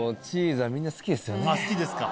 好きですか？